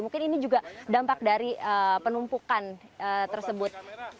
mungkin ini juga dampak dari penumpukan tersebut